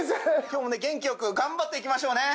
今日もね元気良く頑張っていきましょうね。